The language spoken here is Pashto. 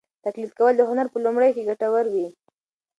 تقلید کول د هنر په لومړیو کې ګټور وي.